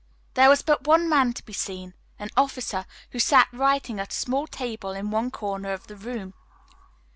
There was but one man to be seen, an officer, who sat writing at a small table in one corner of the room.